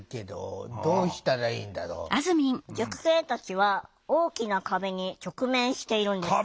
塾生たちは大きな壁に直面しているんです。